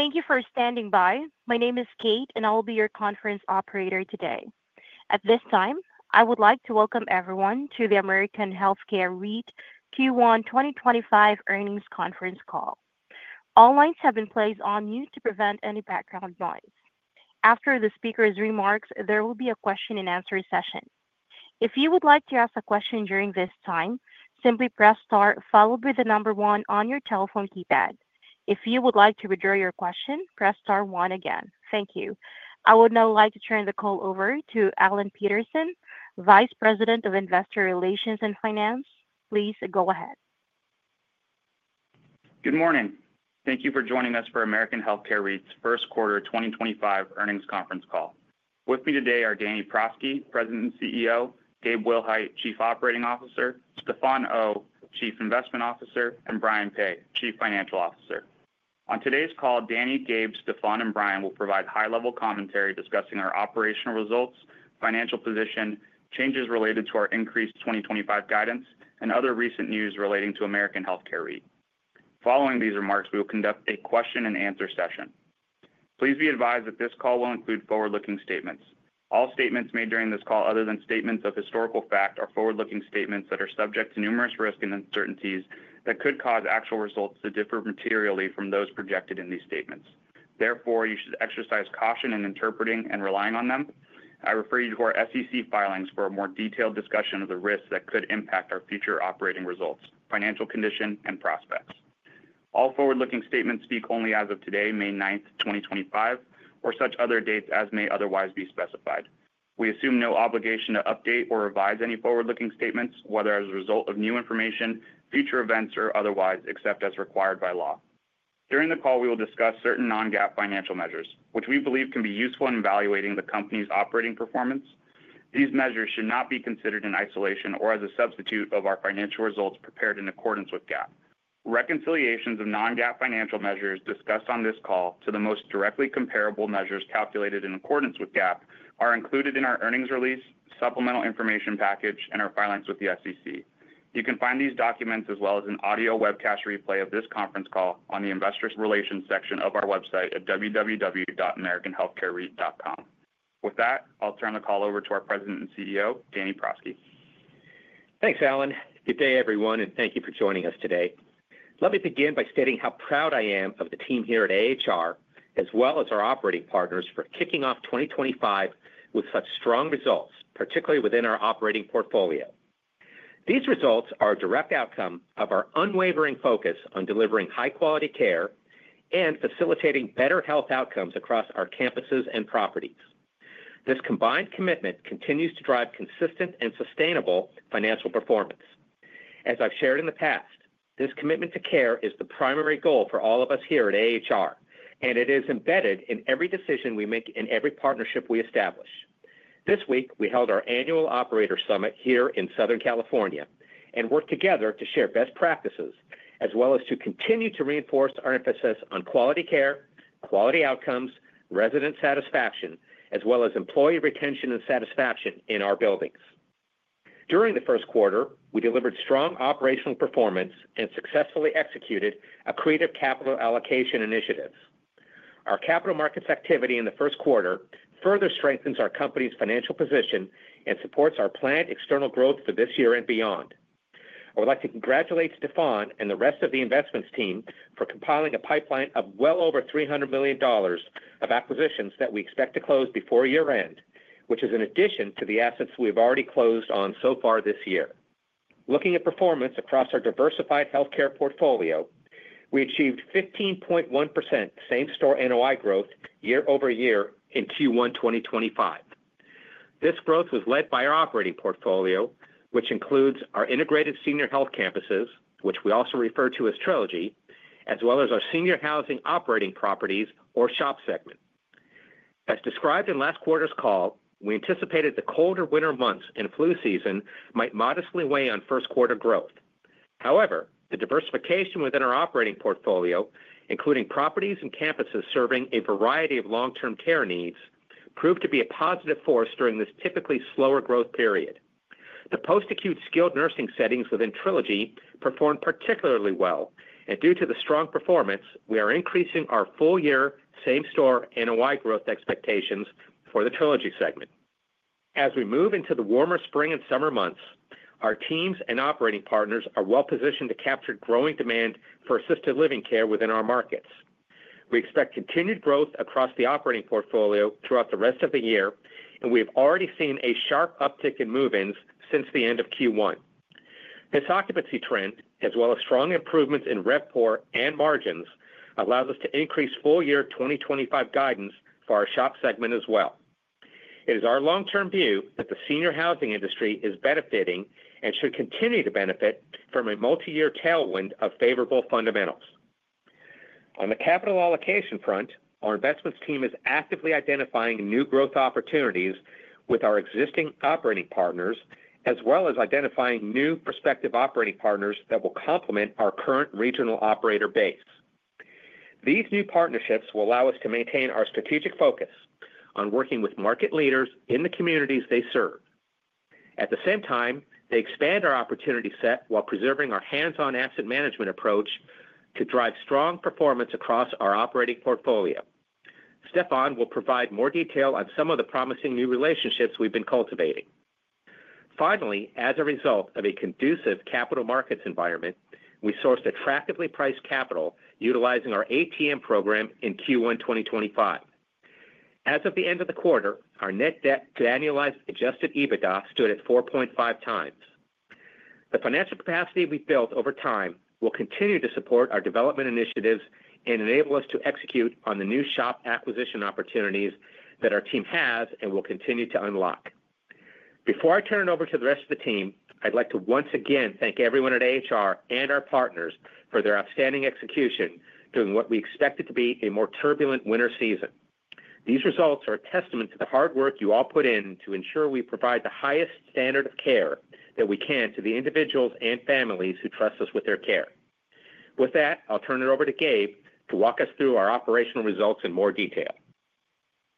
Thank you for standing by. My name is Kate, and I will be your conference operator today. At this time, I would like to welcome everyone to the American Healthcare REIT Q1 2025 Earnings Conference Call. All lines have been placed on mute to prevent any background noise. After the speaker's remarks, there will be a question-and-answer session. If you would like to ask a question during this time, simply press Star, followed by the number one on your telephone keypad. If you would like to withdraw your question, press Star one again. Thank you. I would now like to turn the call over to Alan Peterson, Vice President of Investor Relations and Finance. Please go ahead. Good morning. Thank you for joining us for American Healthcare REIT's First Quarter 2025 Earnings Conference Call. With me today are Danny Prosky, President and CEO; Gabe Willhite, Chief Operating Officer; Stefan Oh, Chief Investment Officer; and Brian Peay, Chief Financial Officer. On today's call, Danny, Gabe, Stefan, and Brian will provide high-level commentary discussing our operational results, financial position, changes related to our increased 2025 guidance, and other recent news relating to American Healthcare REIT. Following these remarks, we will conduct a question-and-answer session. Please be advised that this call will include forward-looking statements. All statements made during this call, other than statements of historical fact, are forward-looking statements that are subject to numerous risks and uncertainties that could cause actual results to differ materially from those projected in these statements. Therefore, you should exercise caution in interpreting and relying on them. I refer you to our SEC filings for a more detailed discussion of the risks that could impact our future operating results, financial condition, and prospects. All forward-looking statements speak only as of today, May 9th, 2025, or such other dates as may otherwise be specified. We assume no obligation to update or revise any forward-looking statements, whether as a result of new information, future events, or otherwise, except as required by law. During the call, we will discuss certain non-GAAP financial measures, which we believe can be useful in evaluating the company's operating performance. These measures should not be considered in isolation or as a substitute for our financial results prepared in accordance with GAAP. Reconciliations of non-GAAP financial measures discussed on this call to the most directly comparable measures calculated in accordance with GAAP are included in our earnings release, supplemental information package, and our filings with the SEC. You can find these documents as well as an audio webcast replay of this conference call on the Investor Relations section of our website at www.americanhealthcarereit.com. With that, I'll turn the call over to our President and CEO, Danny Prosky. Thanks, Alan. Good day, everyone, and thank you for joining us today. Let me begin by stating how proud I am of the team here at AHR, as well as our operating partners, for kicking off 2025 with such strong results, particularly within our operating portfolio. These results are a direct outcome of our unwavering focus on delivering high-quality care and facilitating better health outcomes across our campuses and properties. This combined commitment continues to drive consistent and sustainable financial performance. As I've shared in the past, this commitment to care is the primary goal for all of us here at AHR, and it is embedded in every decision we make and every partnership we establish. This week, we held our annual operator summit here in Southern California and worked together to share best practices, as well as to continue to reinforce our emphasis on quality care, quality outcomes, resident satisfaction, as well as employee retention and satisfaction in our buildings. During the first quarter, we delivered strong operational performance and successfully executed a creative capital allocation initiative. Our capital markets activity in the first quarter further strengthens our company's financial position and supports our planned external growth for this year and beyond. I would like to congratulate Stefan and the rest of the investments team for compiling a pipeline of well over $300 million of acquisitions that we expect to close before year-end, which is in addition to the assets we have already closed on so far this year. Looking at performance across our diversified healthcare portfolio, we achieved 15.1% same-store NOI growth year-over-year in Q1 2025. This growth was led by our operating portfolio, which includes our integrated senior health campuses, which we also refer to as Trilogy, as well as our senior housing operating properties or SHOP segment. As described in last quarter's call, we anticipated the colder winter months and flu season might modestly weigh on first-quarter growth. However, the diversification within our operating portfolio, including properties and campuses serving a variety of long-term care needs, proved to be a positive force during this typically slower growth period. The post-acute skilled nursing settings within Trilogy performed particularly well, and due to the strong performance, we are increasing our full-year same-store NOI growth expectations for the Trilogy segment. As we move into the warmer spring and summer months, our teams and operating partners are well-positioned to capture growing demand for assisted living care within our markets. We expect continued growth across the operating portfolio throughout the rest of the year, and we have already seen a sharp uptick in move-ins since the end of Q1. This occupancy trend, as well as strong improvements in RevPOR and margins, allows us to increase full-year 2025 guidance for our SHOP segment as well. It is our long-term view that the senior housing industry is benefiting and should continue to benefit from a multi-year tailwind of favorable fundamentals. On the capital allocation front, our investments team is actively identifying new growth opportunities with our existing operating partners, as well as identifying new prospective operating partners that will complement our current regional operator base. These new partnerships will allow us to maintain our strategic focus on working with market leaders in the communities they serve. At the same time, they expand our opportunity set while preserving our hands-on asset management approach to drive strong performance across our operating portfolio. Stefan will provide more detail on some of the promising new relationships we've been cultivating. Finally, as a result of a conducive capital markets environment, we sourced attractively priced capital utilizing our ATM program in Q1 2025. As of the end of the quarter, our net debt to annualized adjusted EBITDA stood at 4.5x. The financial capacity we've built over time will continue to support our development initiatives and enable us to execute on the new SHOP acquisition opportunities that our team has and will continue to unlock. Before I turn it over to the rest of the team, I'd like to once again thank everyone at AHR and our partners for their outstanding execution during what we expected to be a more turbulent winter season. These results are a testament to the hard work you all put in to ensure we provide the highest standard of care that we can to the individuals and families who trust us with their care. With that, I'll turn it over to Gabe to walk us through our operational results in more detail.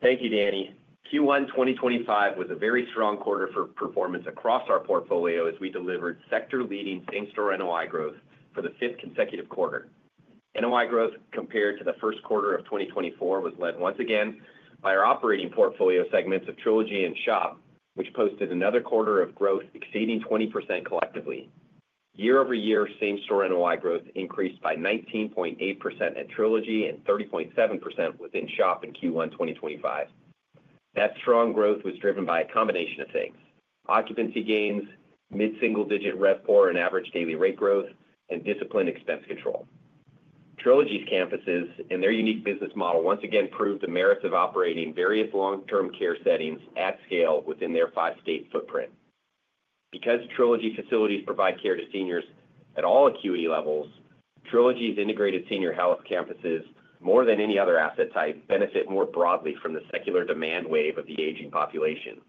Thank you, Danny. Q1 2025 was a very strong quarter for performance across our portfolio as we delivered sector-leading same-store NOI growth for the fifth consecutive quarter. NOI growth compared to the first quarter of 2024 was led once again by our operating portfolio segments of Trilogy and SHOP, which posted another quarter of growth exceeding 20% collectively. Year-over-year, same-store NOI growth increased by 19.8% at Trilogy and 30.7% within SHOP in Q1 2025. That strong growth was driven by a combination of things: occupancy gains, mid-single-digit RevPOR and average daily rate growth, and disciplined expense control. Trilogy's campuses and their unique business model once again proved the merits of operating various long-term care settings at scale within their five-state footprint. Because Trilogy facilities provide care to seniors at all acuity levels, Trilogy's integrated senior health campuses, more than any other asset type, benefit more broadly from the secular demand wave of the aging population.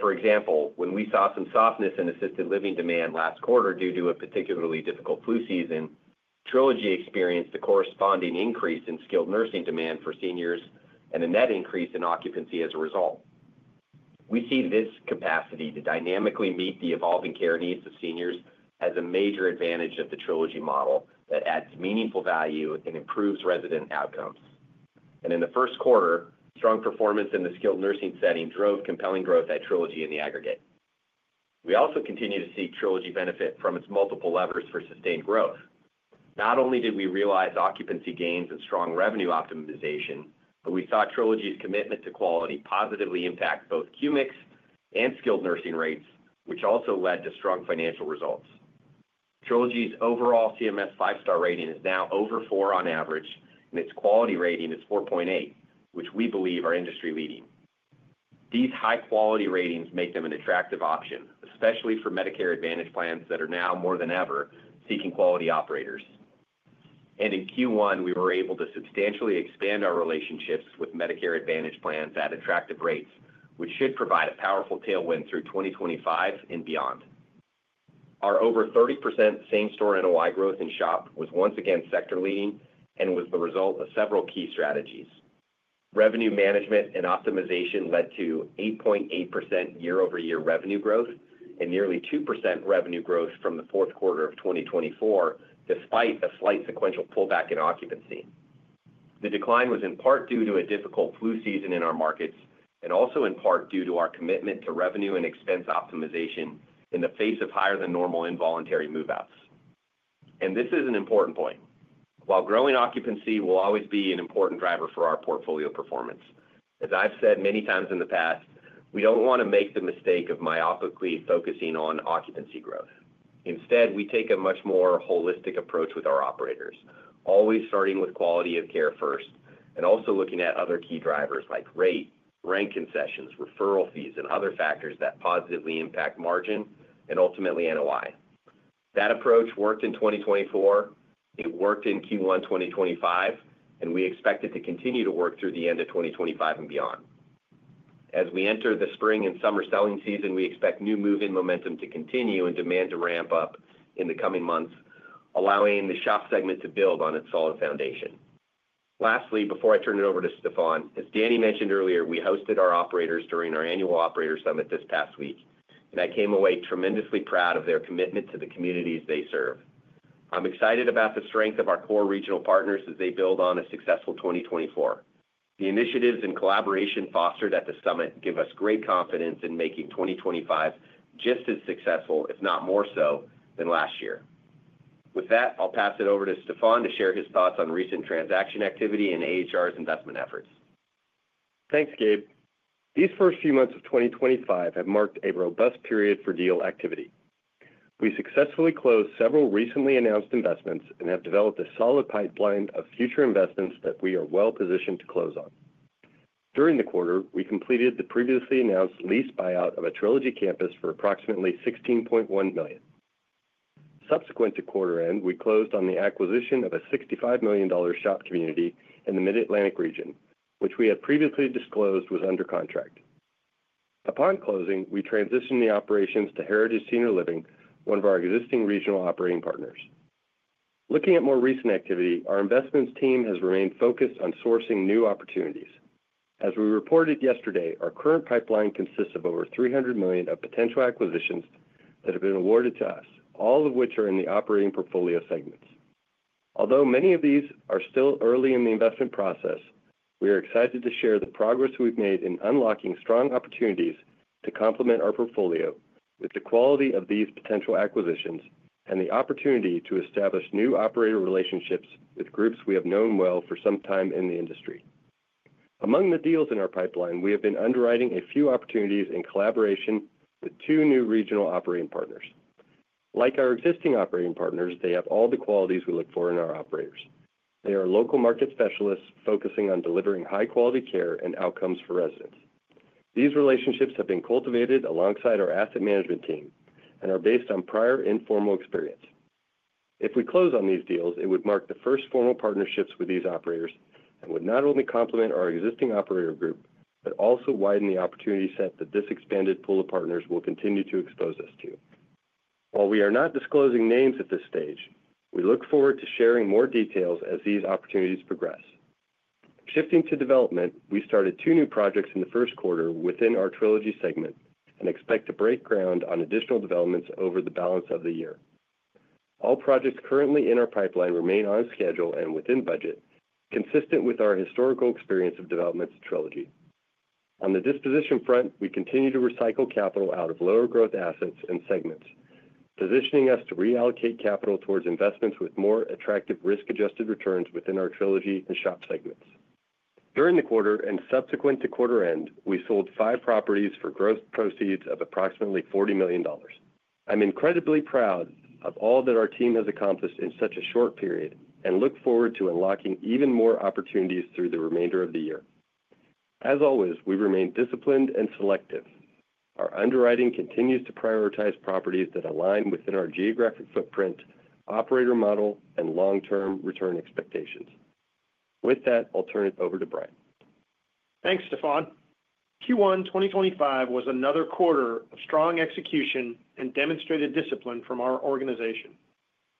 For example, when we saw some softness in assisted living demand last quarter due to a particularly difficult flu season, Trilogy experienced a corresponding increase in skilled nursing demand for seniors and a net increase in occupancy as a result. We see this capacity to dynamically meet the evolving care needs of seniors as a major advantage of the Trilogy model that adds meaningful value and improves resident outcomes. In the first quarter, strong performance in the skilled nursing setting drove compelling growth at Trilogy in the aggregate. We also continue to see Trilogy benefit from its multiple levers for sustained growth. Not only did we realize occupancy gains and strong revenue optimization, but we saw Trilogy's commitment to quality positively impact both QMIX and skilled nursing rates, which also led to strong financial results. Trilogy's overall CMS five-star rating is now over four on average, and its quality rating is 4.8, which we believe are industry-leading. These high-quality ratings make them an attractive option, especially for Medicare Advantage plans that are now more than ever seeking quality operators. In Q1, we were able to substantially expand our relationships with Medicare Advantage plans at attractive rates, which should provide a powerful tailwind through 2025 and beyond. Our over 30% same-store NOI growth in SHOP was once again sector-leading and was the result of several key strategies. Revenue management and optimization led to 8.8% year-over-year revenue growth and nearly 2% revenue growth from the fourth quarter of 2024, despite a slight sequential pullback in occupancy. The decline was in part due to a difficult flu season in our markets and also in part due to our commitment to revenue and expense optimization in the face of higher-than-normal involuntary move-outs. This is an important point. While growing occupancy will always be an important driver for our portfolio performance, as I've said many times in the past, we don't want to make the mistake of myopically focusing on occupancy growth. Instead, we take a much more holistic approach with our operators, always starting with quality of care first and also looking at other key drivers like rate, rank concessions, referral fees, and other factors that positively impact margin and ultimately NOI. That approach worked in 2024. It worked in Q1 2025, and we expect it to continue to work through the end of 2025 and beyond. As we enter the spring and summer selling season, we expect new move-in momentum to continue and demand to ramp up in the coming months, allowing the SHOP segment to build on its solid foundation. Lastly, before I turn it over to Stefan, as Danny mentioned earlier, we hosted our operators during our annual operator summit this past week, and I came away tremendously proud of their commitment to the communities they serve. I'm excited about the strength of our core regional partners as they build on a successful 2024. The initiatives and collaboration fostered at the summit give us great confidence in making 2025 just as successful, if not more so, than last year. With that, I'll pass it over to Stefan to share his thoughts on recent transaction activity and AHR's investment efforts. Thanks, Gabe. These first few months of 2025 have marked a robust period for deal activity. We successfully closed several recently announced investments and have developed a solid pipeline of future investments that we are well-positioned to close on. During the quarter, we completed the previously announced lease buyout of a Trilogy campus for approximately $16.1 million. Subsequent to quarter-end, we closed on the acquisition of a $65 million SHOP community in the Mid-Atlantic region, which we had previously disclosed was under contract. Upon closing, we transitioned the operations to Heritage Senior Living, one of our existing regional operating partners. Looking at more recent activity, our investments team has remained focused on sourcing new opportunities. As we reported yesterday, our current pipeline consists of over $300 million of potential acquisitions that have been awarded to us, all of which are in the operating portfolio segments. Although many of these are still early in the investment process, we are excited to share the progress we've made in unlocking strong opportunities to complement our portfolio with the quality of these potential acquisitions and the opportunity to establish new operator relationships with groups we have known well for some time in the industry. Among the deals in our pipeline, we have been underwriting a few opportunities in collaboration with two new regional operating partners. Like our existing operating partners, they have all the qualities we look for in our operators. They are local market specialists focusing on delivering high-quality care and outcomes for residents. These relationships have been cultivated alongside our asset management team and are based on prior informal experience. If we close on these deals, it would mark the first formal partnerships with these operators and would not only complement our existing operator group, but also widen the opportunity set that this expanded pool of partners will continue to expose us to. While we are not disclosing names at this stage, we look forward to sharing more details as these opportunities progress. Shifting to development, we started two new projects in the first quarter within our Trilogy segment and expect to break ground on additional developments over the balance of the year. All projects currently in our pipeline remain on schedule and within budget, consistent with our historical experience of developments at Trilogy. On the disposition front, we continue to recycle capital out of lower-growth assets and segments, positioning us to reallocate capital towards investments with more attractive risk-adjusted returns within our Trilogy and SHOP segments. During the quarter and subsequent to quarter-end, we sold five properties for gross proceeds of approximately $40 million. I'm incredibly proud of all that our team has accomplished in such a short period and look forward to unlocking even more opportunities through the remainder of the year. As always, we remain disciplined and selective. Our underwriting continues to prioritize properties that align within our geographic footprint, operator model, and long-term return expectations. With that, I'll turn it over to Brian. Thanks, Stefan. Q1 2025 was another quarter of strong execution and demonstrated discipline from our organization.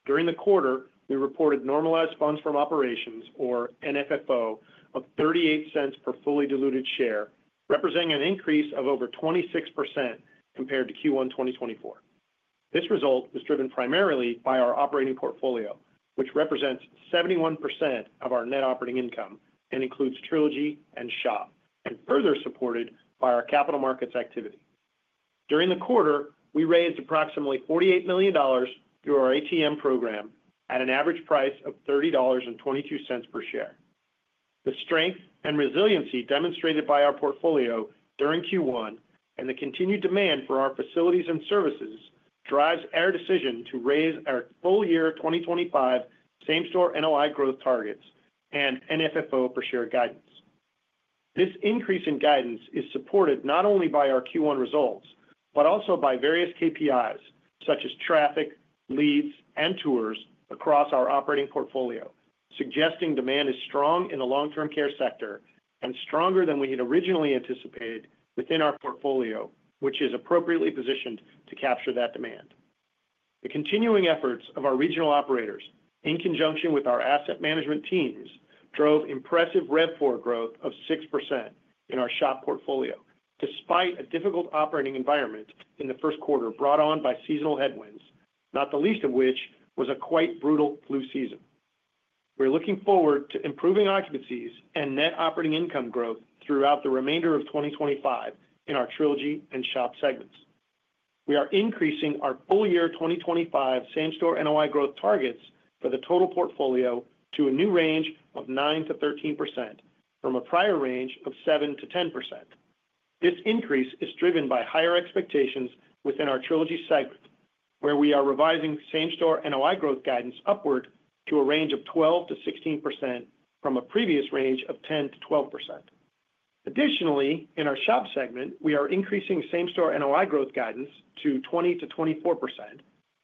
During the quarter, we reported normalized funds from operations, or NFFO, of $0.38 per fully diluted share, representing an increase of over 26% compared to Q1 2024. This result was driven primarily by our operating portfolio, which represents 71% of our net operating income and includes Trilogy and SHOP, and further supported by our capital markets activity. During the quarter, we raised approximately $48 million through our ATM program at an average price of $30.22 per share. The strength and resiliency demonstrated by our portfolio during Q1 and the continued demand for our facilities and services drives our decision to raise our full-year 2025 same-store NOI growth targets and NFFO per share guidance. This increase in guidance is supported not only by our Q1 results, but also by various KPIs such as traffic, leads, and tours across our operating portfolio, suggesting demand is strong in the long-term care sector and stronger than we had originally anticipated within our portfolio, which is appropriately positioned to capture that demand. The continuing efforts of our regional operators, in conjunction with our asset management teams, drove impressive RevPOR growth of 6% in our SHOP portfolio, despite a difficult operating environment in the first quarter brought on by seasonal headwinds, not the least of which was a quite brutal flu season. We're looking forward to improving occupancies and net operating income growth throughout the remainder of 2025 in our Trilogy and SHOP segments. We are increasing our full-year 2025 same-store NOI growth targets for the total portfolio to a new range of 9%-13% from a prior range of 7%-10%. This increase is driven by higher expectations within our Trilogy segment, where we are revising same-store NOI growth guidance upward to a range of 12%-16% from a previous range of 10%-12%. Additionally, in our SHOP segment, we are increasing same-store NOI growth guidance to 20%-24%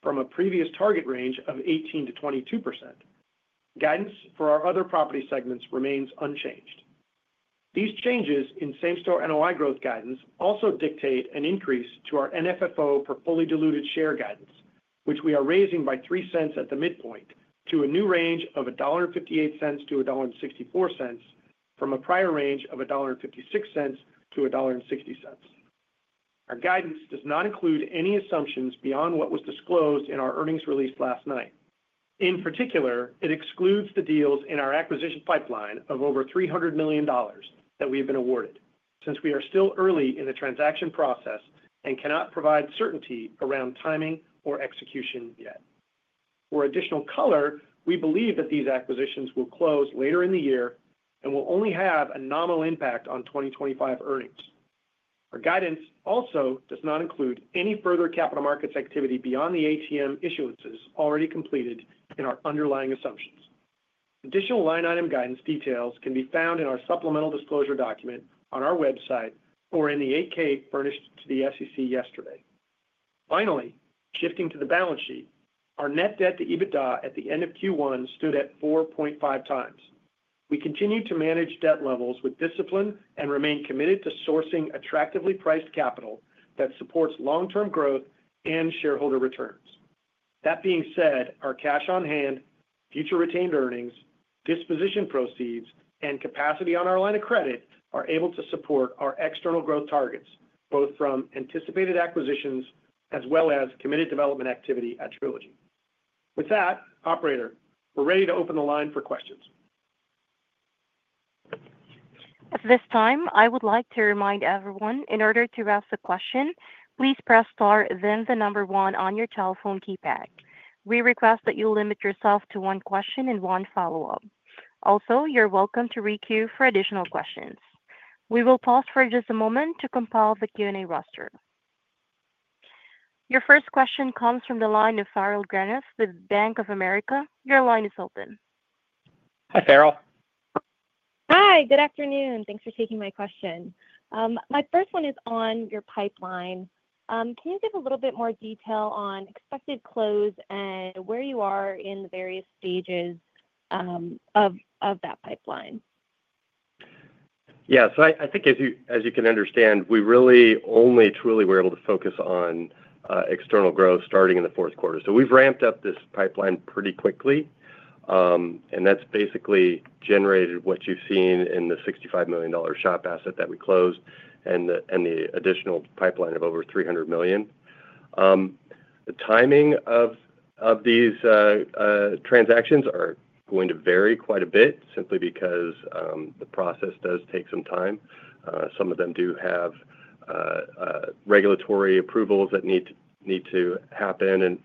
from a previous target range of 18%-22%. Guidance for our other property segments remains unchanged. These changes in same-store NOI growth guidance also dictate an increase to our NFFO per fully diluted share guidance, which we are raising by $0.03 at the midpoint to a new range of $1.58-$1.64 from a prior range of $1.56-$1.60. Our guidance does not include any assumptions beyond what was disclosed in our earnings released last night. In particular, it excludes the deals in our acquisition pipeline of over $300 million that we have been awarded, since we are still early in the transaction process and cannot provide certainty around timing or execution yet. For additional color, we believe that these acquisitions will close later in the year and will only have a nominal impact on 2025 earnings. Our guidance also does not include any further capital markets activity beyond the ATM issuances already completed in our underlying assumptions. Additional line item guidance details can be found in our supplemental disclosure document on our website or in the 8-K furnished to the SEC yesterday. Finally, shifting to the balance sheet, our net debt to EBITDA at the end of Q1 stood at 4.5x. We continue to manage debt levels with discipline and remain committed to sourcing attractively priced capital that supports long-term growth and shareholder returns. That being said, our cash on hand, future retained earnings, disposition proceeds, and capacity on our line of credit are able to support our external growth targets, both from anticipated acquisitions as well as committed development activity at Trilogy. With that, Operator, we're ready to open the line for questions. At this time, I would like to remind everyone, in order to ask a question, please press star, then the number one on your telephone keypad. We request that you limit yourself to one question and one follow-up. Also, you're welcome to re-queue for additional questions. We will pause for just a moment to compile the Q&A roster. Your first question comes from the line of Farrell Granath with Bank of America. Your line is open. Hi, Farrell. Hi, good afternoon. Thanks for taking my question. My first one is on your pipeline. Can you give a little bit more detail on expected close and where you are in the various stages of that pipeline? Yeah, so I think, as you can understand, we really only truly were able to focus on external growth starting in the fourth quarter. We've ramped up this pipeline pretty quickly, and that's basically generated what you've seen in the $65 million SHOP asset that we closed and the additional pipeline of over $300 million. The timing of these transactions is going to vary quite a bit simply because the process does take some time. Some of them do have regulatory approvals that need to happen.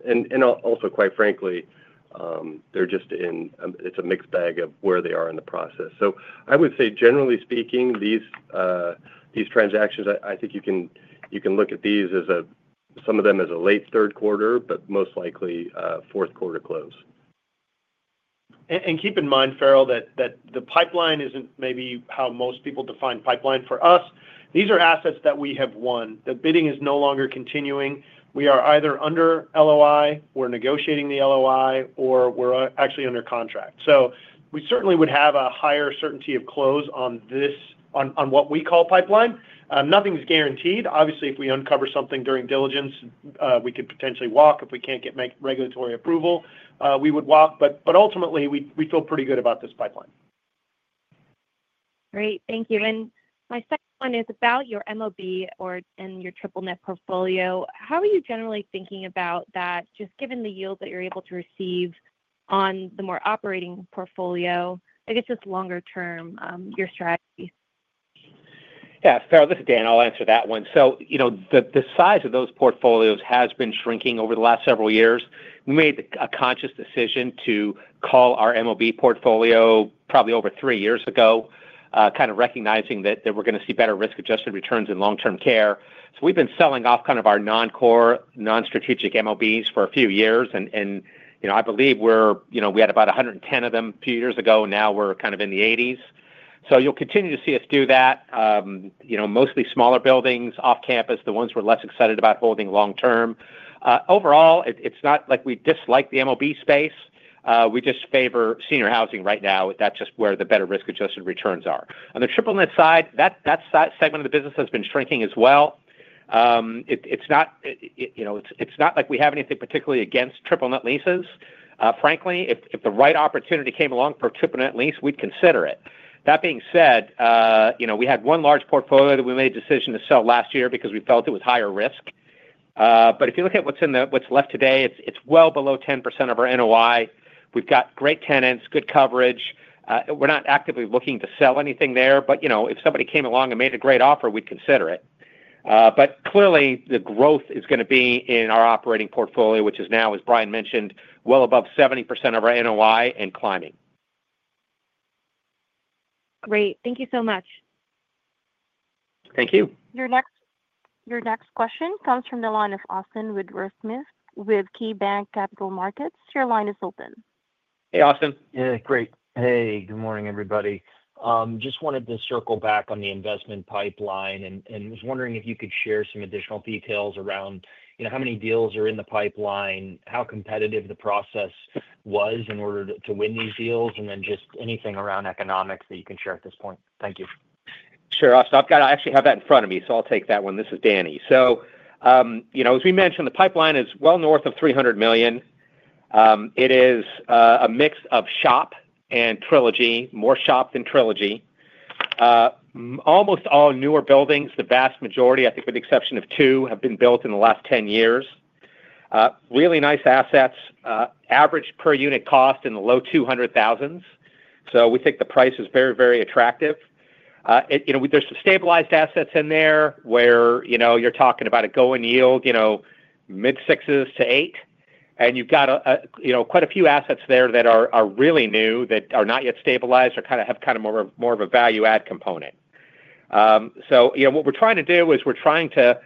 Also, quite frankly, they're just in a mixed bag of where they are in the process. I would say, generally speaking, these transactions, I think you can look at some of them as a late third quarter, but most likely fourth quarter close. Keep in mind, Pharrell, that the pipeline is not maybe how most people define pipeline. For us, these are assets that we have won. The bidding is no longer continuing. We are either under LOI, we are negotiating the LOI, or we are actually under contract. We certainly would have a higher certainty of close on what we call pipeline. Nothing is guaranteed. Obviously, if we uncover something during diligence, we could potentially walk if we cannot get regulatory approval. We would walk, but ultimately, we feel pretty good about this pipeline. Great. Thank you. My second one is about your MOB and your triple-net portfolio. How are you generally thinking about that, just given the yield that you're able to receive on the more operating portfolio? I guess just longer term, your strategy? Yeah, Farrell, this is Dan. I'll answer that one. The size of those portfolios has been shrinking over the last several years. We made a conscious decision to cull our MOB portfolio probably over three years ago, kind of recognizing that we're going to see better risk-adjusted returns in long-term care. We've been selling off kind of our non-core, non-strategic MOBs for a few years. I believe we had about 110 of them a few years ago, and now we're kind of in the 80s. You'll continue to see us do that, mostly smaller buildings off-campus, the ones we're less excited about holding long-term. Overall, it's not like we dislike the MOB space. We just favor senior housing right now. That's just where the better risk-adjusted returns are. On the triple-net side, that segment of the business has been shrinking as well. It's not like we have anything particularly against triple-net leases. Frankly, if the right opportunity came along for a triple-net lease, we'd consider it. That being said, we had one large portfolio that we made a decision to sell last year because we felt it was higher risk. If you look at what's left today, it's well below 10% of our NOI. We've got great tenants, good coverage. We're not actively looking to sell anything there, but if somebody came along and made a great offer, we'd consider it. Clearly, the growth is going to be in our operating portfolio, which is now, as Brian mentioned, well above 70% of our NOI and climbing. Great. Thank you so much. Thank you. Your next question comes from the line of Austin Wurschmidt with KeyBanc Capital Markets. Your line is open. Hey, Austin. Yeah, great. Hey, good morning, everybody. Just wanted to circle back on the investment pipeline and was wondering if you could share some additional details around how many deals are in the pipeline, how competitive the process was in order to win these deals, and then just anything around economics that you can share at this point. Thank you. Sure, Austin. I actually have that in front of me, so I'll take that one. This is Danny. As we mentioned, the pipeline is well north of $300 million. It is a mix of SHOP and Trilogy, more SHOP than Trilogy. Almost all newer buildings, the vast majority, I think with the exception of two, have been built in the last 10 years. Really nice assets. Average per unit cost in the low $200,000s. We think the price is very, very attractive. There are some stabilized assets in there where you're talking about a going yield, mid-sixes to eight. You have quite a few assets there that are really new, that are not yet stabilized, or kind of have kind of more of a value-add component. What we're trying to do is we're trying to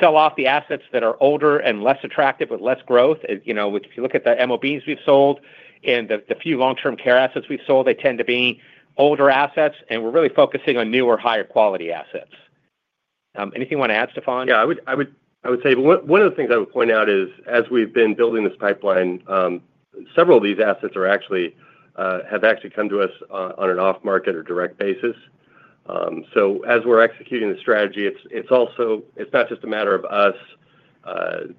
sell off the assets that are older and less attractive with less growth. If you look at the MOBs we've sold and the few long-term care assets we've sold, they tend to be older assets, and we're really focusing on newer, higher-quality assets. Anything you want to add, Stefan? Yeah, I would say one of the things I would point out is, as we've been building this pipeline, several of these assets have actually come to us on an off-market or direct basis. As we're executing the strategy, it's not just a matter of us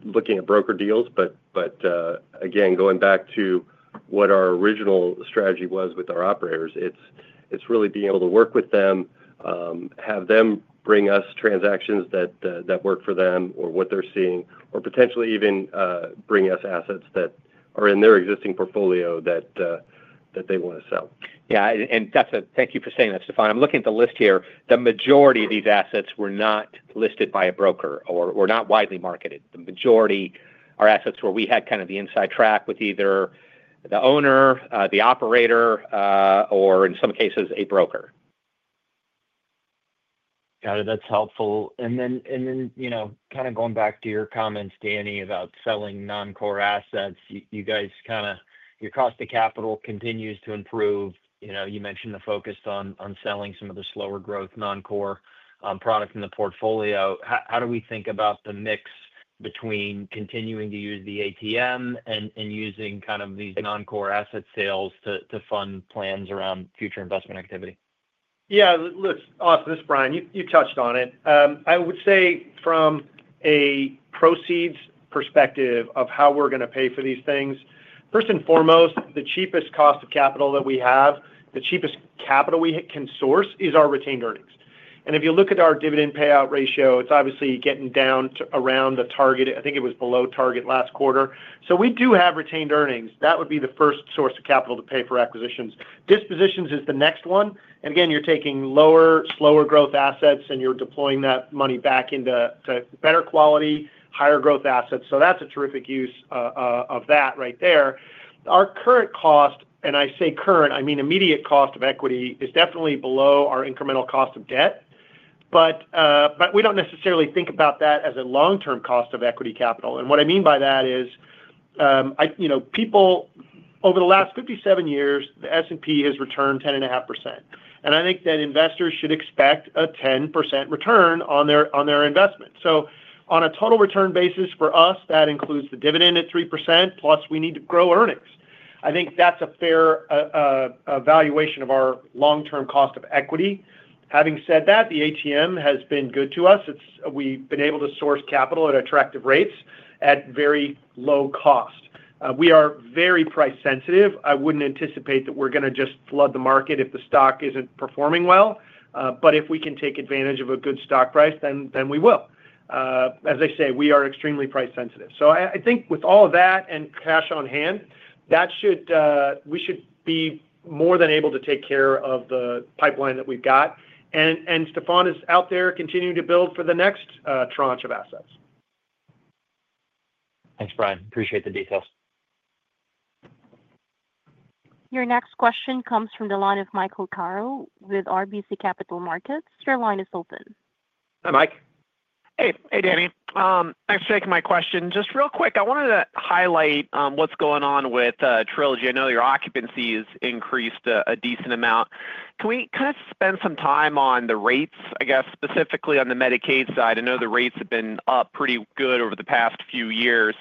looking at broker deals, but again, going back to what our original strategy was with our operators, it's really being able to work with them, have them bring us transactions that work for them or what they're seeing, or potentially even bring us assets that are in their existing portfolio that they want to sell. Yeah, and thank you for saying that, Stefan. I'm looking at the list here. The majority of these assets were not listed by a broker or were not widely marketed. The majority are assets where we had kind of the inside track with either the owner, the operator, or in some cases, a broker. Got it. That's helpful. Kind of going back to your comments, Danny, about selling non-core assets, you guys, your cost of capital continues to improve. You mentioned the focus on selling some of the slower growth non-core products in the portfolio. How do we think about the mix between continuing to use the ATM and using these non-core asset sales to fund plans around future investment activity? Yeah, Austin, this is Brian. You touched on it. I would say from a proceeds perspective of how we're going to pay for these things, first and foremost, the cheapest cost of capital that we have, the cheapest capital we can source, is our retained earnings. And if you look at our dividend payout ratio, it's obviously getting down to around the target. I think it was below target last quarter. So we do have retained earnings. That would be the first source of capital to pay for acquisitions. Dispositions is the next one. Again, you're taking lower, slower growth assets, and you're deploying that money back into better quality, higher growth assets. That's a terrific use of that right there. Our current cost, and I say current, I mean immediate cost of equity, is definitely below our incremental cost of debt. We do not necessarily think about that as a long-term cost of equity capital. What I mean by that is, over the last 57 years, the S&P has returned 10.5%. I think that investors should expect a 10% return on their investment. On a total return basis for us, that includes the dividend at 3%, plus we need to grow earnings. I think that is a fair valuation of our long-term cost of equity. Having said that, the ATM has been good to us. We have been able to source capital at attractive rates at very low cost. We are very price-sensitive. I would not anticipate that we are going to just flood the market if the stock is not performing well. If we can take advantage of a good stock price, then we will. As I say, we are extremely price-sensitive. I think with all of that and cash on hand, we should be more than able to take care of the pipeline that we've got. Stefan is out there continuing to build for the next tranche of assets. Thanks, Brian. Appreciate the details. Your next question comes from the line of Michael Carroll with RBC Capital Markets. Your line is open. Hi, Mike. Hey, Danny. Thanks for taking my question. Just real quick, I wanted to highlight what's going on with Trilogy. I know your occupancy has increased a decent amount. Can we kind of spend some time on the rates, I guess, specifically on the Medicaid side? I know the rates have been up pretty good over the past few years.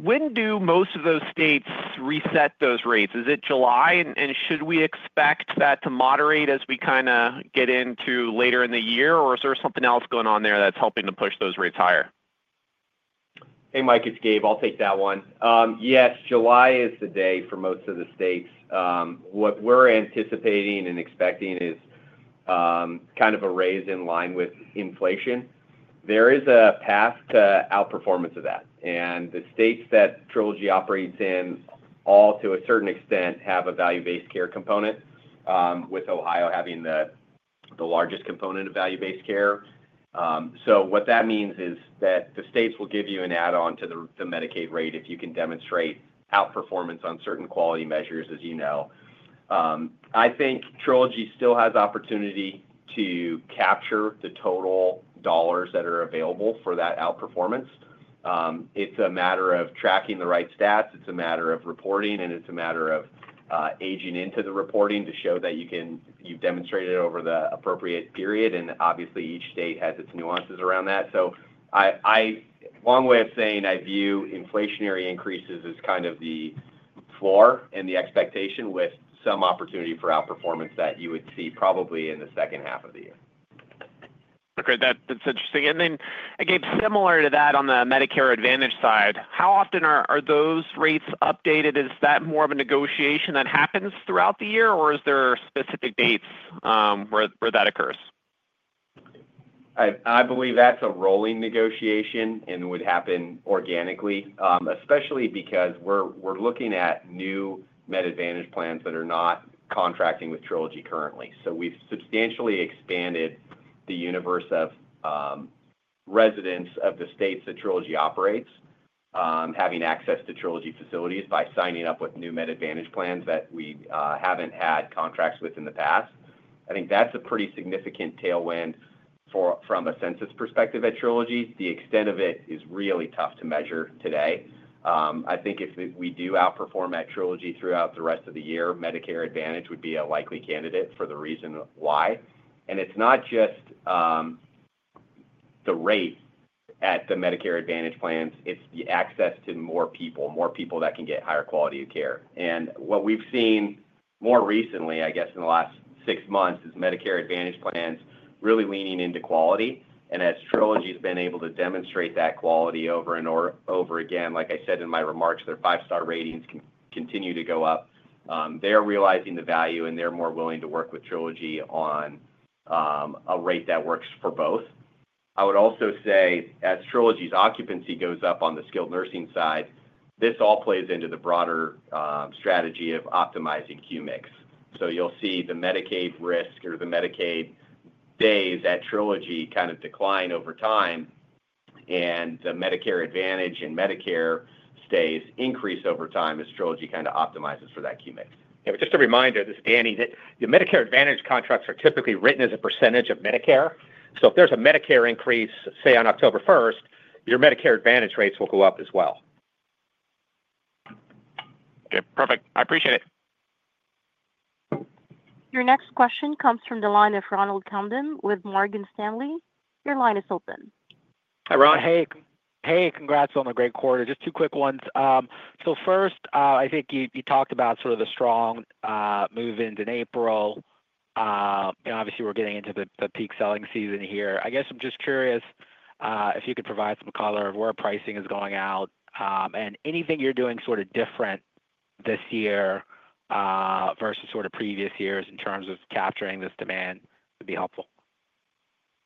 When do most of those states reset those rates? Is it July, and should we expect that to moderate as we kind of get into later in the year, or is there something else going on there that's helping to push those rates higher? Hey, Mike, it's Gabe. I'll take that one. Yes, July is the day for most of the states. What we're anticipating and expecting is kind of a raise in line with inflation. There is a path to outperformance of that. The states that Trilogy operates in, all to a certain extent, have a value-based care component, with Ohio having the largest component of value-based care. What that means is that the states will give you an add-on to the Medicaid rate if you can demonstrate outperformance on certain quality measures, as you know. I think Trilogy still has opportunity to capture the total dollars that are available for that outperformance. It's a matter of tracking the right stats. It's a matter of reporting, and it's a matter of aging into the reporting to show that you've demonstrated over the appropriate period. Obviously, each state has its nuances around that. A long way of saying I view inflationary increases as kind of the floor and the expectation with some opportunity for outperformance that you would see probably in the second half of the year. Okay, that's interesting. Then again, similar to that on the Medicare Advantage side, how often are those rates updated? Is that more of a negotiation that happens throughout the year, or is there specific dates where that occurs? I believe that's a rolling negotiation and would happen organically, especially because we're looking at new Medicare Advantage plans that are not contracting with Trilogy currently. So we've substantially expanded the universe of residents of the states that Trilogy operates, having access to Trilogy facilities by signing up with new Medicare Advantage plans that we haven't had contracts with in the past. I think that's a pretty significant tailwind from a census perspective at Trilogy. The extent of it is really tough to measure today. I think if we do outperform at Trilogy throughout the rest of the year, Medicare Advantage would be a likely candidate for the reason why. It's not just the rate at the Medicare Advantage plans. It's the access to more people, more people that can get higher quality of care. What we have seen more recently, I guess in the last six months, is Medicare Advantage plans really leaning into quality. As Trilogy has been able to demonstrate that quality over and over again, like I said in my remarks, their five-star ratings continue to go up. They are realizing the value, and they are more willing to work with Trilogy on a rate that works for both. I would also say, as Trilogy's occupancy goes up on the skilled nursing side, this all plays into the broader strategy of optimizing QMIX. You will see the Medicaid risk or the Medicaid days at Trilogy kind of decline over time, and the Medicare Advantage and Medicare stays increase over time as Trilogy kind of optimizes for that QMIX. Yeah, just a reminder, this is Danny, that the Medicare Advantage contracts are typically written as a percentage of Medicare. If there's a Medicare increase, say on October 1, your Medicare Advantage rates will go up as well. Okay, perfect. I appreciate it. Your next question comes from the line of Ronald Kamdem with Morgan Stanley. Your line is open. Hi, Ron. Hey, congrats on the great quarter. Just two quick ones. First, I think you talked about sort of the strong move into April. Obviously, we're getting into the peak selling season here. I guess I'm just curious if you could provide some color of where pricing is going out and anything you're doing sort of different this year versus sort of previous years in terms of capturing this demand would be helpful.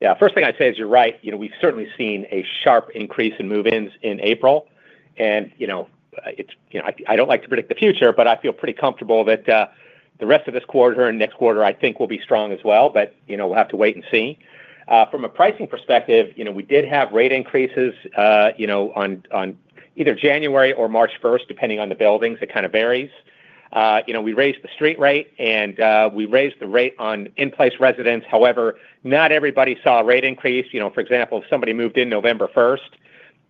Yeah, first thing I'd say is you're right. We've certainly seen a sharp increase in move-ins in April. I don't like to predict the future, but I feel pretty comfortable that the rest of this quarter and next quarter, I think, will be strong as well, but we'll have to wait and see. From a pricing perspective, we did have rate increases on either January or March 1st, depending on the buildings. It kind of varies. We raised the street rate, and we raised the rate on in-place residents. However, not everybody saw a rate increase. For example, if somebody moved in November 1st,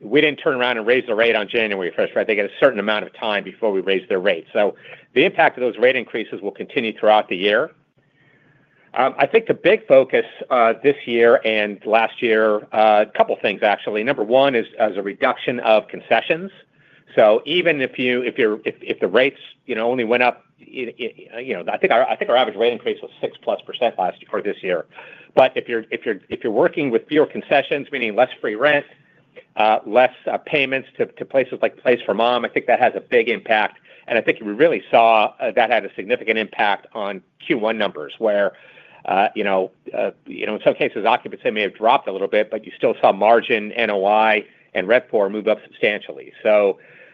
we didn't turn around and raise the rate on January 1st, right? They get a certain amount of time before we raise their rate. The impact of those rate increases will continue throughout the year. I think the big focus this year and last year, a couple of things, actually. Number one is a reduction of concessions. Even if the rates only went up, I think our average rate increase was 6%+ last year or this year. If you're working with fewer concessions, meaning less free rent, less payments to places like Place for Mom, I think that has a big impact. I think we really saw that had a significant impact on Q1 numbers, where in some cases, occupancy may have dropped a little bit, but you still saw margin, NOI, and RevPAR move up substantially.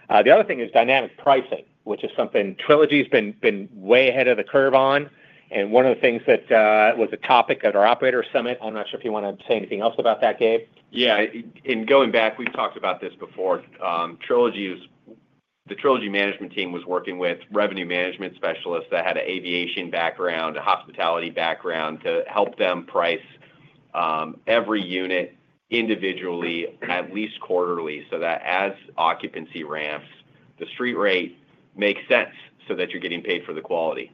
The other thing is dynamic pricing, which is something Trilogy has been way ahead of the curve on. One of the things that was a topic at our operator summit, I'm not sure if you want to say anything else about that, Gabe. Yeah, in going back, we've talked about this before. The Trilogy management team was working with revenue management specialists that had an aviation background, a hospitality background, to help them price every unit individually at least quarterly so that as occupancy ramps, the street rate makes sense so that you're getting paid for the quality.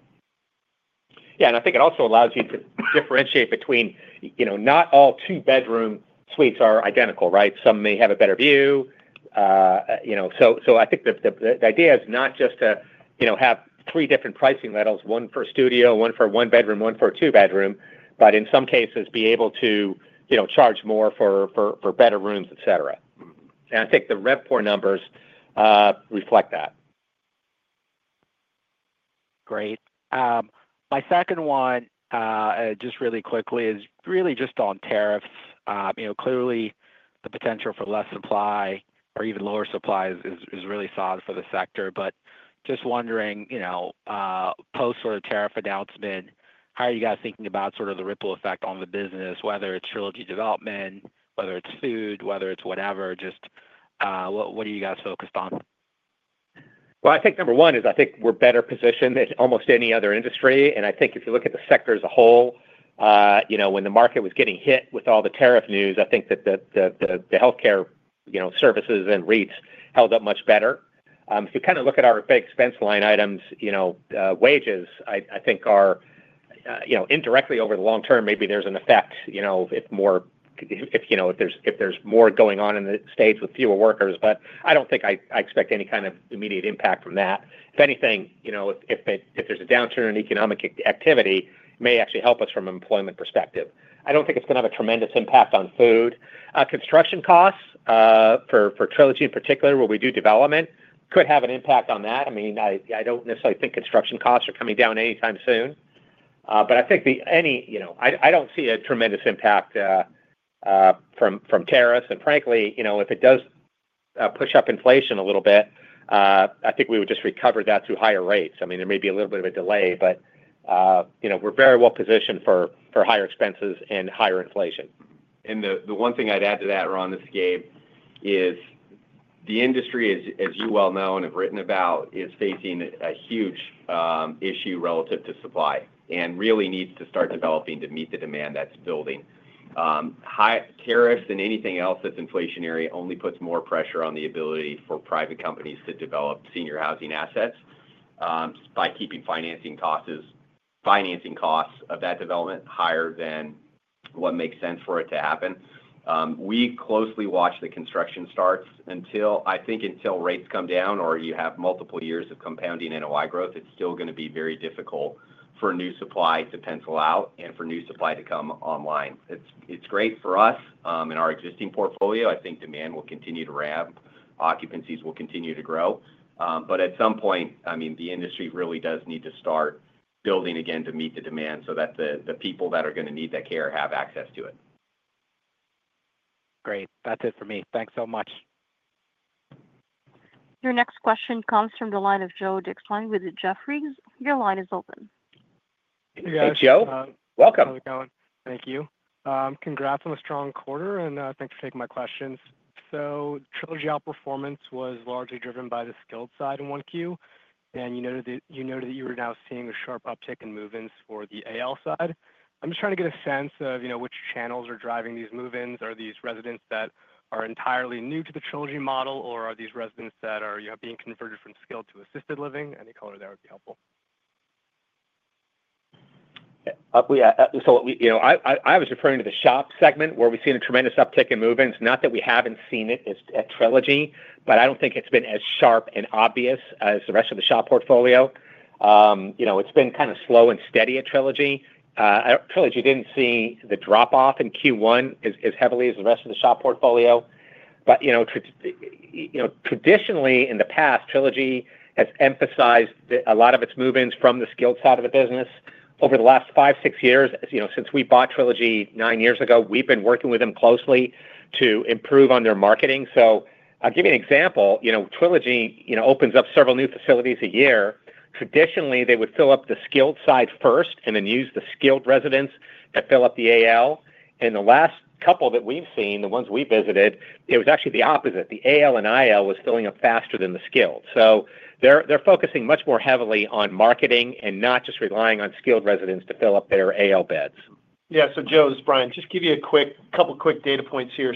Yeah, and I think it also allows you to differentiate between not all two-bedroom suites are identical, right? Some may have a better view. I think the idea is not just to have three different pricing levels, one for studio, one for one-bedroom, one for two-bedroom, but in some cases, be able to charge more for better rooms, etc. I think the RevPOR numbers reflect that. Great. My second one, just really quickly, is really just on tariffs. Clearly, the potential for less supply or even lower supply is really solid for the sector. Just wondering, post sort of tariff announcement, how are you guys thinking about sort of the ripple effect on the business, whether it's Trilogy development, whether it's food, whether it's whatever? Just what are you guys focused on? I think number one is I think we're better positioned than almost any other industry. I think if you look at the sector as a whole, when the market was getting hit with all the tariff news, I think that the healthcare services and REITs held up much better. If you kind of look at our big expense line items, wages, I think are indirectly over the long term, maybe there's an effect if there's more going on in the states with fewer workers. I don't think I expect any kind of immediate impact from that. If anything, if there's a downturn in economic activity, it may actually help us from an employment perspective. I don't think it's going to have a tremendous impact on food. Construction costs for Trilogy in particular, where we do development, could have an impact on that. I mean, I do not necessarily think construction costs are coming down anytime soon. I think any, I do not see a tremendous impact from tariffs. Frankly, if it does push up inflation a little bit, I think we would just recover that through higher rates. I mean, there may be a little bit of a delay, but we are very well positioned for higher expenses and higher inflation. The one thing I'd add to that, Ron, this is Gabe, is the industry, as you well know and have written about, is facing a huge issue relative to supply and really needs to start developing to meet the demand that's building. Tariffs and anything else that's inflationary only puts more pressure on the ability for private companies to develop senior housing assets by keeping financing costs of that development higher than what makes sense for it to happen. We closely watch the construction starts. I think until rates come down or you have multiple years of compounding NOI growth, it's still going to be very difficult for new supply to pencil out and for new supply to come online. It's great for us in our existing portfolio. I think demand will continue to ramp. Occupancies will continue to grow. At some point, I mean, the industry really does need to start building again to meet the demand so that the people that are going to need that care have access to it. Great. That's it for me. Thanks so much. Your next question comes from the line of Joe Dickstein with Jefferies. Your line is open. Hey, Joe. Welcome. How's it going? Thank you. Congrats on the strong quarter, and thanks for taking my questions. Trilogy outperformance was largely driven by the skilled side in one Q. You noted that you were now seeing a sharp uptick in move-ins for the AL side. I'm just trying to get a sense of which channels are driving these move-ins. Are these residents that are entirely new to the Trilogy model, or are these residents that are being converted from skilled to assisted living? Any color there would be helpful. I was referring to the SHOP segment where we've seen a tremendous uptick in move-ins. Not that we haven't seen it at Trilogy, but I don't think it's been as sharp and obvious as the rest of the SHOP portfolio. It's been kind of slow and steady at Trilogy. Trilogy didn't see the drop-off in Q1 as heavily as the rest of the SHOP portfolio. Traditionally, in the past, Trilogy has emphasized a lot of its move-ins from the skilled side of the business. Over the last five, six years, since we bought Trilogy nine years ago, we've been working with them closely to improve on their marketing. I'll give you an example. Trilogy opens up several new facilities a year. Traditionally, they would fill up the skilled side first and then use the skilled residents to fill up the AL. The last couple that we've seen, the ones we visited, it was actually the opposite. The AL and IL was filling up faster than the skilled. They are focusing much more heavily on marketing and not just relying on skilled residents to fill up their AL beds. Yeah, so Joe, it's Brian, just give you a couple of quick data points here.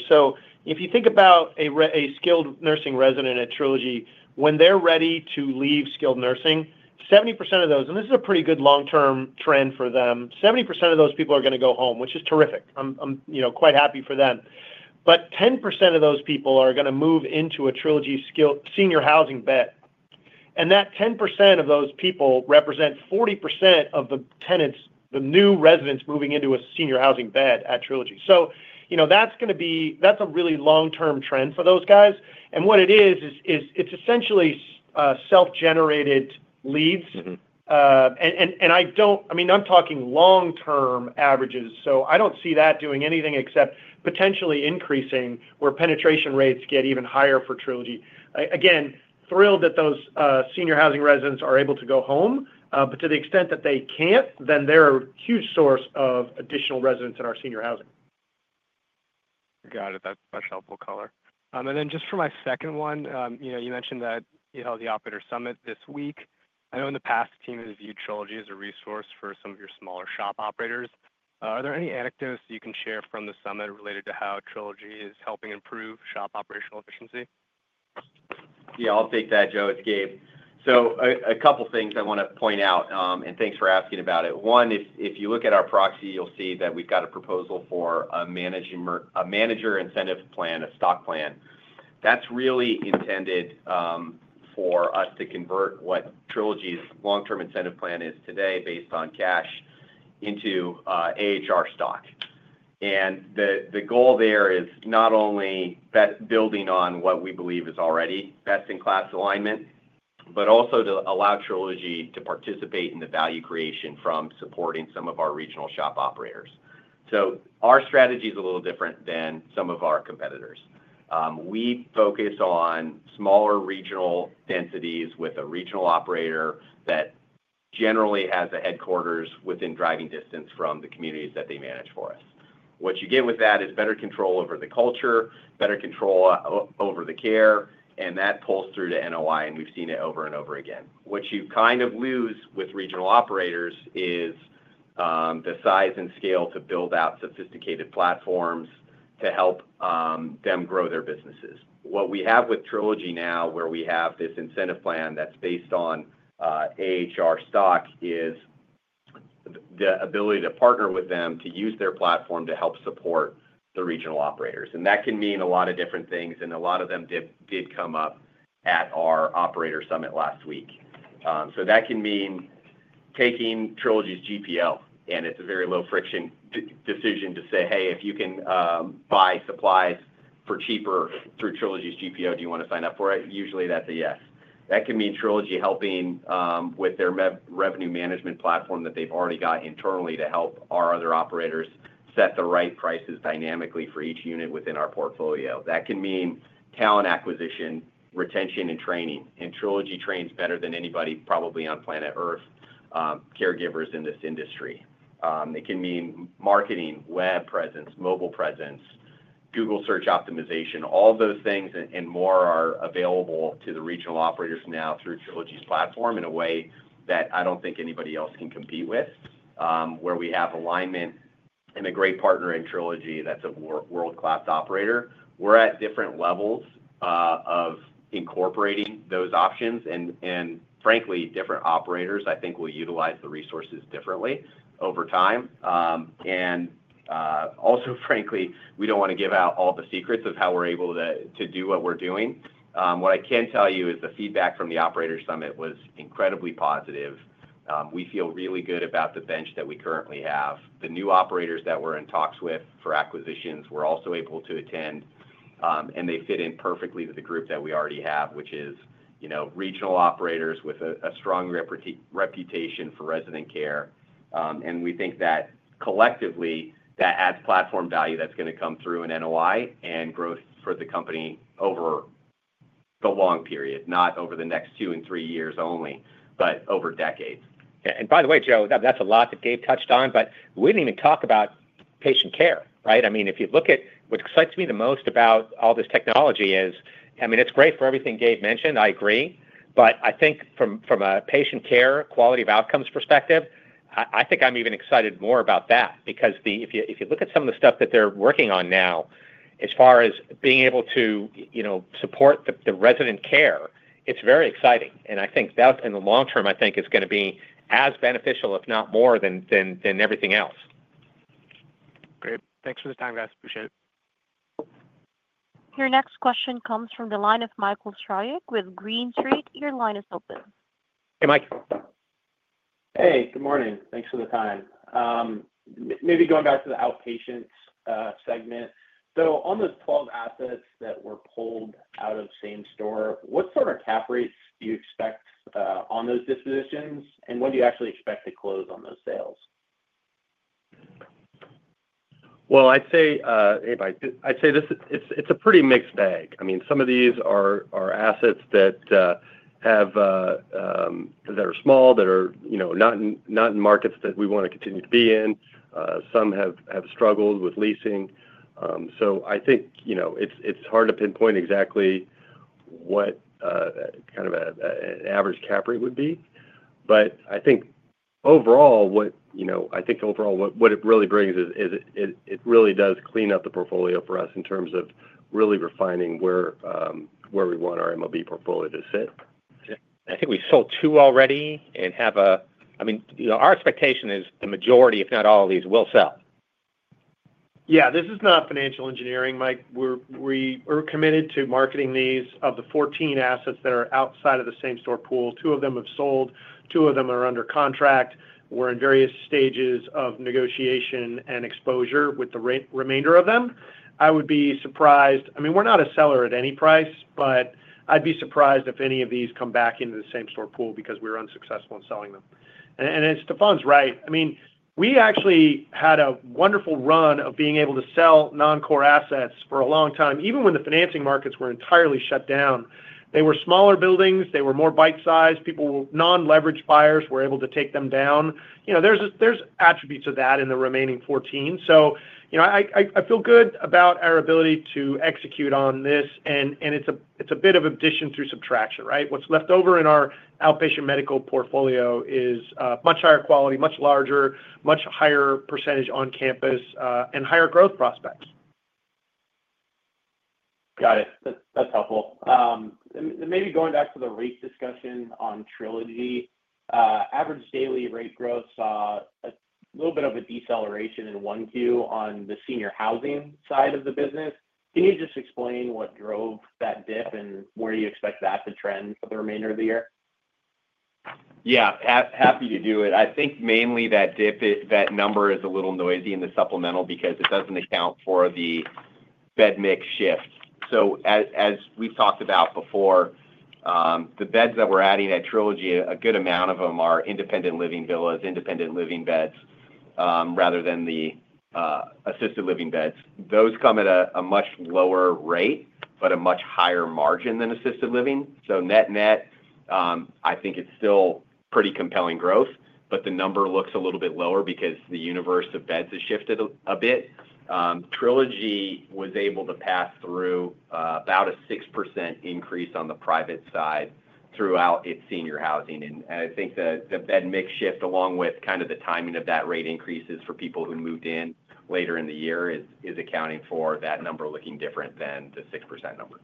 If you think about a skilled nursing resident at Trilogy, when they're ready to leave skilled nursing, 70% of those—and this is a pretty good long-term trend for them—70% of those people are going to go home, which is terrific. I'm quite happy for them. 10% of those people are going to move into a Trilogy senior housing bed. That 10% of those people represent 40% of the tenants, the new residents moving into a senior housing bed at Trilogy. That's a really long-term trend for those guys. What it is, it's essentially self-generated leads. I mean, I'm talking long-term averages. I don't see that doing anything except potentially increasing where penetration rates get even higher for Trilogy. Again, thrilled that those senior housing residents are able to go home. To the extent that they can't, then they're a huge source of additional residents in our senior housing. Got it. That's helpful color. For my second one, you mentioned that you held the operator summit this week. I know in the past, the team has viewed Trilogy as a resource for some of your smaller SHOP operators. Are there any anecdotes that you can share from the summit related to how Trilogy is helping improve SHOP operational efficiency? Yeah, I'll take that, Joe, it's Gabe. A couple of things I want to point out, and thanks for asking about it. One, if you look at our proxy, you'll see that we've got a proposal for a manager incentive plan, a stock plan. That's really intended for us to convert what Trilogy's long-term incentive plan is today based on cash into AHR stock. The goal there is not only building on what we believe is already best-in-class alignment, but also to allow Trilogy to participate in the value creation from supporting some of our regional SHOP operators. Our strategy is a little different than some of our competitors. We focus on smaller regional densities with a regional operator that generally has a headquarters within driving distance from the communities that they manage for us. What you get with that is better control over the culture, better control over the care, and that pulls through to NOI, and we've seen it over and over again. What you kind of lose with regional operators is the size and scale to build out sophisticated platforms to help them grow their businesses. What we have with Trilogy now, where we have this incentive plan that's based on AHR stock, is the ability to partner with them to use their platform to help support the regional operators. That can mean a lot of different things, and a lot of them did come up at our operator summit last week. That can mean taking Trilogy's GPO, and it's a very low-friction decision to say, "Hey, if you can buy supplies for cheaper through Trilogy's GPO, do you want to sign up for it?" Usually, that's a yes. That can mean Trilogy helping with their revenue management platform that they've already got internally to help our other operators set the right prices dynamically for each unit within our portfolio. That can mean talent acquisition, retention, and training. And Trilogy trains better than anybody probably on planet Earth caregivers in this industry. It can mean marketing, web presence, mobile presence, Google search optimization. All those things and more are available to the regional operators now through Trilogy's platform in a way that I don't think anybody else can compete with, where we have alignment and a great partner in Trilogy that's a world-class operator. We're at different levels of incorporating those options. Frankly, different operators, I think, will utilize the resources differently over time. Also, frankly, we don't want to give out all the secrets of how we're able to do what we're doing. What I can tell you is the feedback from the operator summit was incredibly positive. We feel really good about the bench that we currently have. The new operators that we're in talks with for acquisitions were also able to attend, and they fit in perfectly with the group that we already have, which is regional operators with a strong reputation for resident care. We think that collectively, that adds platform value that's going to come through in NOI and growth for the company over the long period, not over the next two and three years only, but over decades. By the way, Joe, that is a lot that Gabe touched on, but we did not even talk about patient care, right? I mean, if you look at what excites me the most about all this technology is, I mean, it is great for everything Gabe mentioned. I agree. I think from a patient care quality of outcomes perspective, I think I am even excited more about that because if you look at some of the stuff that they are working on now, as far as being able to support the resident care, it is very exciting. I think that in the long term, I think, is going to be as beneficial, if not more, than everything else. Great. Thanks for the time, guys. Appreciate it. Your next question comes from the line of Michael Stroyeck with Green Street. Your line is open. Hey, Mike. Hey, good morning. Thanks for the time. Maybe going back to the outpatient segment. On those 12 assets that were pulled out of same store, what sort of cap rates do you expect on those dispositions? When do you actually expect to close on those sales? I’d say it’s a pretty mixed bag. I mean, some of these are assets that are small, that are not in markets that we want to continue to be in. Some have struggled with leasing. I think it’s hard to pinpoint exactly what kind of an average cap rate would be. I think overall, what it really brings is it really does clean up the portfolio for us in terms of really refining where we want our MOB portfolio to sit. I think we sold two already and have a—I mean, our expectation is the majority, if not all of these, will sell. Yeah. This is not financial engineering, Mike. We're committed to marketing these of the 14 assets that are outside of the same store pool. Two of them have sold. Two of them are under contract. We're in various stages of negotiation and exposure with the remainder of them. I would be surprised—I mean, we're not a seller at any price, but I'd be surprised if any of these come back into the same store pool because we were unsuccessful in selling them. And Stefan's right. I mean, we actually had a wonderful run of being able to sell non-core assets for a long time, even when the financing markets were entirely shut down. They were smaller buildings. They were more bite-sized. Non-leverage buyers were able to take them down. There's attributes of that in the remaining 14. So I feel good about our ability to execute on this. It is a bit of addition through subtraction, right? What's left over in our outpatient medical portfolio is much higher quality, much larger, much higher percentage on campus, and higher growth prospects. Got it. That's helpful. Maybe going back to the rate discussion on Trilogy, average daily rate growth saw a little bit of a deceleration in Q1 on the senior housing side of the business. Can you just explain what drove that dip and where you expect that to trend for the remainder of the year? Yeah. Happy to do it. I think mainly that number is a little noisy in the supplemental because it does not account for the bed mix shift. As we have talked about before, the beds that we are adding at Trilogy, a good amount of them are independent living villas, independent living beds, rather than the assisted living beds. Those come at a much lower rate, but a much higher margin than assisted living. Net-net, I think it is still pretty compelling growth, but the number looks a little bit lower because the universe of beds has shifted a bit. Trilogy was able to pass through about a 6% increase on the private side throughout its senior housing. I think the bed mix shift, along with kind of the timing of that rate increases for people who moved in later in the year, is accounting for that number looking different than the 6% number.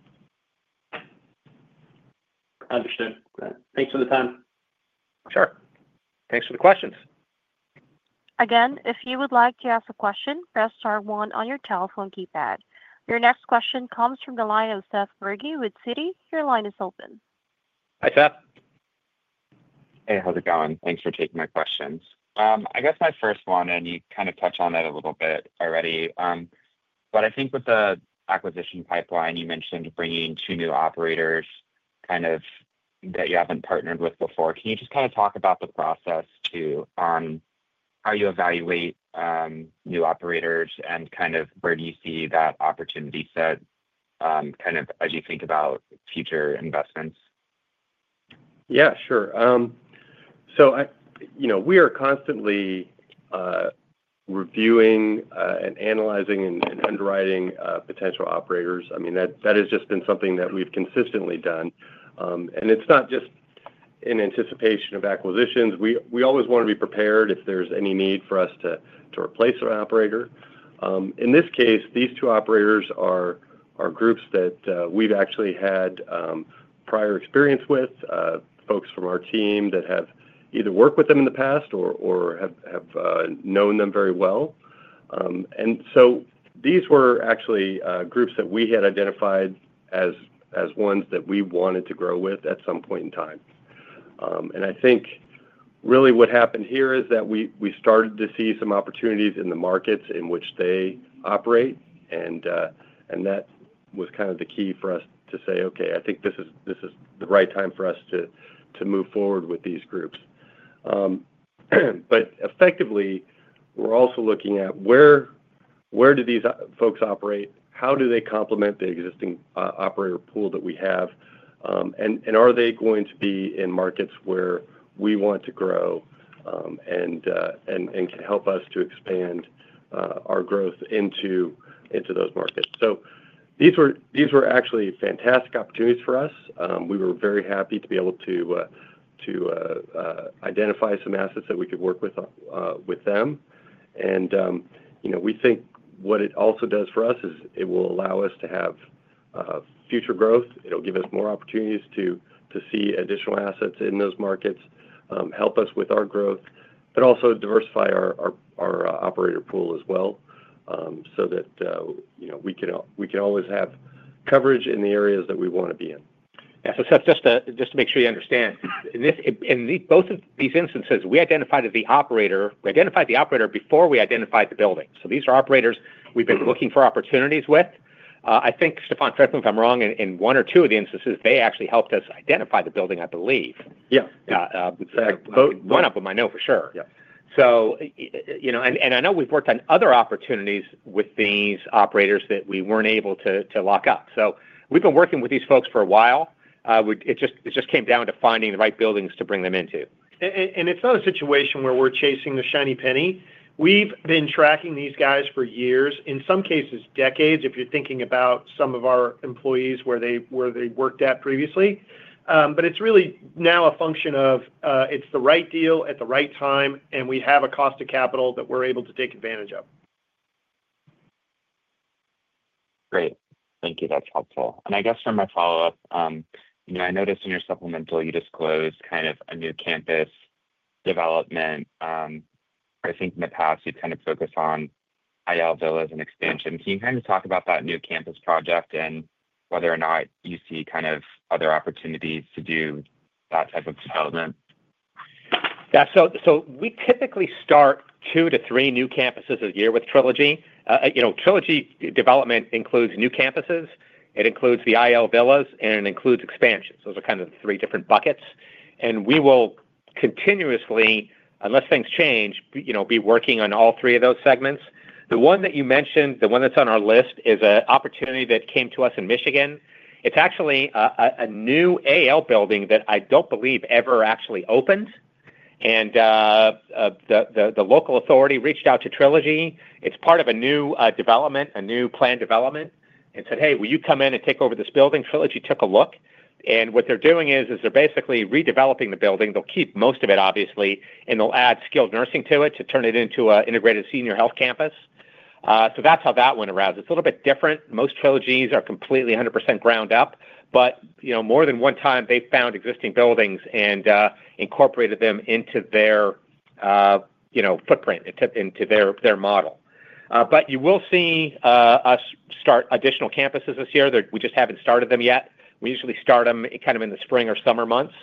Understood. Thanks for the time. Sure. Thanks for the questions. Again, if you would like to ask a question, press star one on your telephone keypad. Your next question comes from the line of Seth Bergey with Citi. Your line is open. Hi, Seth. Hey, how's it going? Thanks for taking my questions. I guess my first one, and you kind of touched on it a little bit already, but I think with the acquisition pipeline, you mentioned bringing two new operators kind of that you haven't partnered with before. Can you just kind of talk about the process too, on how you evaluate new operators and kind of where do you see that opportunity set kind of as you think about future investments? Yeah, sure. We are constantly reviewing and analyzing and underwriting potential operators. I mean, that has just been something that we've consistently done. It's not just in anticipation of acquisitions. We always want to be prepared if there's any need for us to replace an operator. In this case, these two operators are groups that we've actually had prior experience with, folks from our team that have either worked with them in the past or have known them very well. These were actually groups that we had identified as ones that we wanted to grow with at some point in time. I think really what happened here is that we started to see some opportunities in the markets in which they operate. That was kind of the key for us to say, "Okay, I think this is the right time for us to move forward with these groups." Effectively, we're also looking at where do these folks operate? How do they complement the existing operator pool that we have? Are they going to be in markets where we want to grow and can help us to expand our growth into those markets? These were actually fantastic opportunities for us. We were very happy to be able to identify some assets that we could work with them. We think what it also does for us is it will allow us to have future growth. It'll give us more opportunities to see additional assets in those markets, help us with our growth, but also diversify our operator pool as well so that we can always have coverage in the areas that we want to be in. Yeah. So Seth, just to make sure you understand, in both of these instances, we identified the operator before we identified the building. So these are operators we've been looking for opportunities with. I think Stefan, correct me if I'm wrong, in one or two of the instances, they actually helped us identify the building, I believe. Yeah. Yeah. One of them, I know for sure. Yeah. I know we've worked on other opportunities with these operators that we weren't able to lock up. We've been working with these folks for a while. It just came down to finding the right buildings to bring them into. It is not a situation where we are chasing the shiny penny. We have been tracking these guys for years, in some cases, decades, if you are thinking about some of our employees where they worked at previously. It is really now a function of it is the right deal at the right time, and we have a cost of capital that we are able to take advantage of. Great. Thank you. That's helpful. I guess for my follow-up, I noticed in your supplemental, you disclosed kind of a new campus development. I think in the past, you'd kind of focus on IL Villas and expansion. Can you kind of talk about that new campus project and whether or not you see kind of other opportunities to do that type of development? Yeah. We typically start two to three new campuses a year with Trilogy. Trilogy development includes new campuses, it includes the IL Villas, and it includes expansions. Those are kind of the three different buckets. We will continuously, unless things change, be working on all three of those segments. The one that you mentioned, the one that's on our list, is an opportunity that came to us in Michigan. It's actually a new AL building that I don't believe ever actually opened. The local authority reached out to Trilogy. It's part of a new development, a new planned development, and said, "Hey, will you come in and take over this building?" Trilogy took a look. What they're doing is they're basically redeveloping the building. They'll keep most of it, obviously, and they'll add skilled nursing to it to turn it into an integrated senior health campus. That's how that went around. It's a little bit different. Most Trilogies are completely 100% ground up, but more than one time, they found existing buildings and incorporated them into their footprint, into their model. You will see us start additional campuses this year. We just haven't started them yet. We usually start them kind of in the spring or summer months.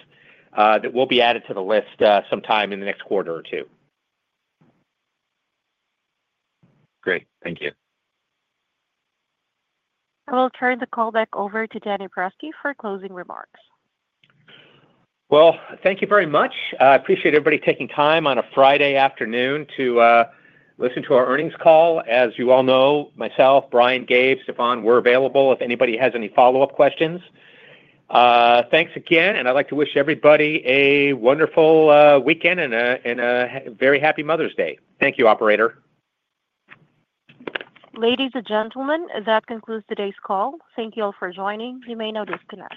That will be added to the list sometime in the next quarter or two. Great. Thank you. I will turn the call back over to Danny Prosky for closing remarks. Thank you very much. I appreciate everybody taking time on a Friday afternoon to listen to our earnings call. As you all know, myself, Brian, Gabe, Stefan, we are available if anybody has any follow-up questions. Thanks again. I would like to wish everybody a wonderful weekend and a very happy Mother's Day. Thank you, operator. Ladies and gentlemen, that concludes today's call. Thank you all for joining. You may now disconnect.